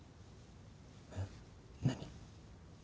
えっ何？